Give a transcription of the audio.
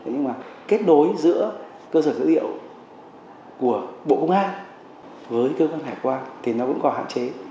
nhưng mà kết nối giữa cơ sở dữ liệu của bộ công an với cơ quan hải quan thì nó vẫn còn hạn chế